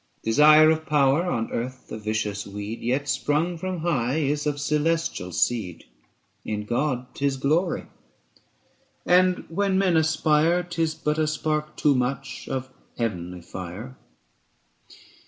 Desire of power, on earth a vicious weed, 305 Yet sprung from high is of celestial seed ; In God 'tis glory, and when men aspire, 'Tis but a spark too much of heavenly fire.